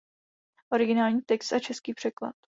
Originální text a český překlad.